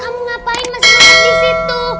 kamu ngapain masih masih disitu